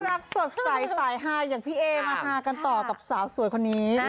สดใสสายฮาอย่างพี่เอมาฮากันต่อกับสาวสวยคนนี้